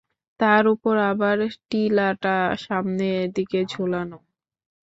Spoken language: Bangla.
তার উপর আবার টিলাটা সামনের দিকে ঝুলানো।